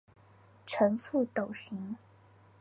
呈覆斗形。